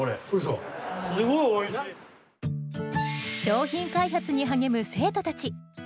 商品開発に励む生徒たち。